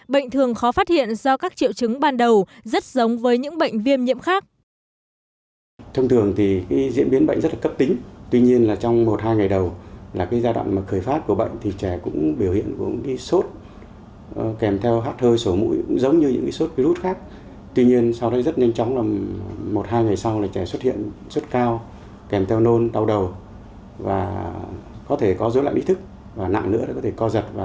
bệnh thường khó phát hiện do các triệu chứng ban đầu rất giống với những bệnh viêm nhiễm khác